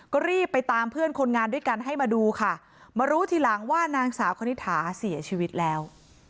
ก็รีบไปตามเพื่อนคนงานด้วยกันให้มาดูค่ะมารู้ทีหลังว่านางสาวคณิตถาเสียชีวิตแล้ว